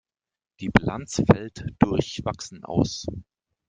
Die Bilanz fällt durchwachsen aus.